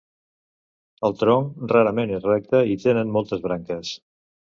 El tronc rarament és recte i tenen moltes branques.